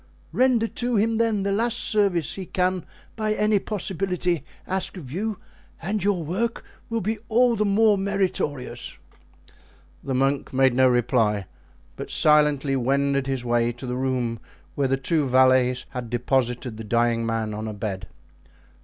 Render to him, then, the last service he can by any possibility ask of you, and your work will be all the more meritorious." The monk made no reply, but silently wended his way to the room where the two valets had deposited the dying man on a bed.